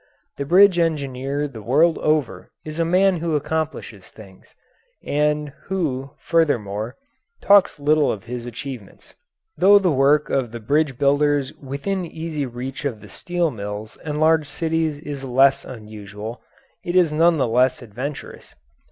The bridge engineer the world over is a man who accomplishes things, and who, furthermore, talks little of his achievements. Though the work of the bridge builders within easy reach of the steel mills and large cities is less unusual, it is none the less adventurous.